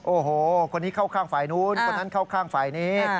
โอ้โหคนนี้เข้าข้างฝ่ายนู้นคนนั้นเข้าข้างฝ่ายนี้